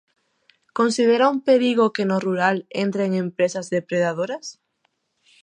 Considera un perigo que no rural entren empresas depredadoras?